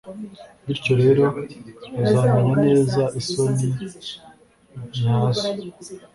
bityo rero uzamenya neza isoni nyazo